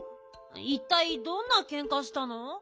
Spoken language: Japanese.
いったいどんなけんかしたの？